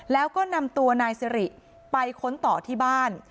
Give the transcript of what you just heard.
แล้วก็นำตัวนายสิริไปค้นต่อที่บ้าน